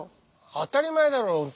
当たり前だろう本当に。